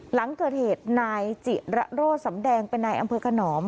หลังเกิดเหตุนายจิระโร่สำแดงเป็นนายอำเภอขนอม